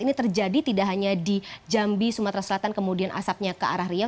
ini terjadi tidak hanya di jambi sumatera selatan kemudian asapnya ke arah riau